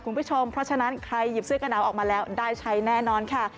คุณผู้ชมเพราะฉะนั้นใครหยิบเสื้อกระหนาวออกมาแล้วได้ใช้แน่นอนค่ะ